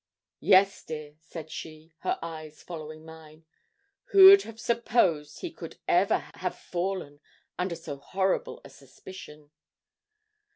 'Yes, dear,' said she, her eyes following mine; 'who'd have supposed he could ever have have fallen under so horrible a suspicion?'